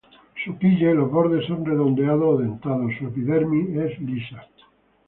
Su quilla y los bordes son redondeados o dentados, su epidermis es lisa.